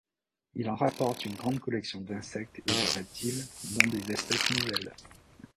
Il en rapporte une grande collection d'insectes et de reptiles, dont des espèces nouvelles.